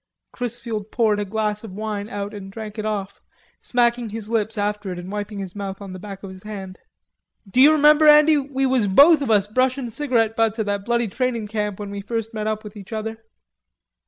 Chrisfield poured a glass of wine out and drank it off, smacking his lips after it and wiping his mouth on the back of his hand. "D'ye remember, Andy, we was both of us brushin' cigarette butts at that bloody trainin' camp when we first met up with each other?"